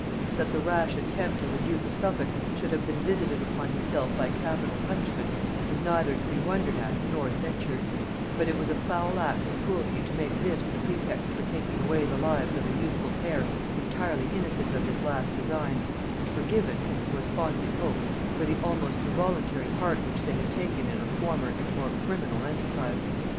That the rash attempt of the duke of Suffolk should have been visited upon himself by capital punishment, is neither to be wondered at nor censured; but it was a foul act of cruelty to make this the pretext for taking away the lives of a youthful pair entirely innocent of this last design, and forgiven, as it was fondly hoped, for the almost involuntary part which they had taken in a former and more criminal enterprise.